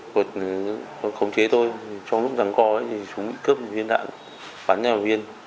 họ khống chế tôi trong lúc rắn co thì súng bị cướp và viên đạn bắn ra một viên